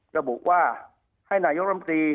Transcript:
ระบุว่าให้นายกรรมตรี